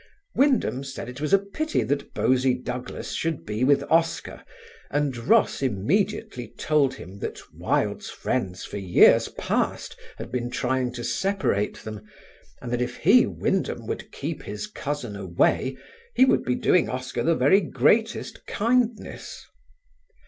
Wyndham said it was a pity that Bosie Douglas should be with Oscar, and Ross immediately told him that Wilde's friends for years past had been trying to separate them and that if he, Wyndham, would keep his cousin away, he would be doing Oscar the very greatest kindness.